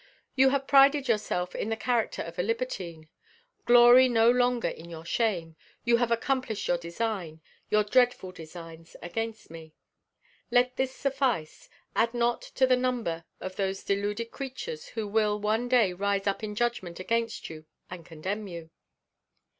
You have prided yourself in the character of a libertine. Glory no longer in your shame. You have accomplished your designs, your dreadful designs, against me. Let this suffice. Add not to the number of those deluded creatures who will one day rise up in judgment against you and condemn you."